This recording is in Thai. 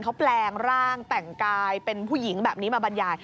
เขาแปลงร่างแต่งกายเป็นผู้หญิงแบบนี้มาบรรยาย